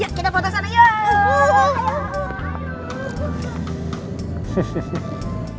yuk kita foto sana yuk